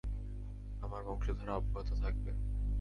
আমার বংশধারা অব্যাহত থাকবে!